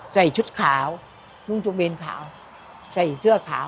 ใส่ชุดขาวมุ่งจุเบนขาวใส่เสื้อขาว